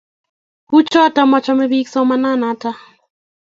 kuchoto machame biik somananato